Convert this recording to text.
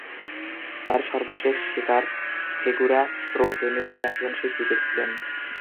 তার সর্বশেষ শিকার সেগুরা প্রো টেনিস চ্যাম্পিয়নশিপ জিতেছিলেন।